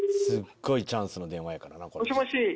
すっごいチャンスの電話やからな。